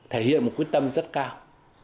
thể hiện một quyết tâm rất cao